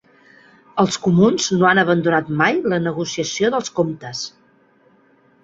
Els comuns no han abandonat mai la negociació dels comptes